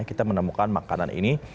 kita menemukan makanan ini